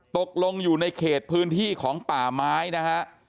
ตกลงอยู่ในเขตพื้นที่ของป่าไม้นะฮะ